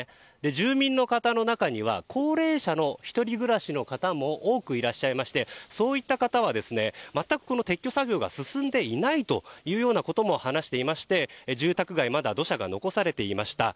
住民の方の中には高齢者の１人暮らしの方も多くいらっしゃいましてそういった方は全く撤去作業が進んでいないということも話していまして、住宅街はまだ土砂が残されていました。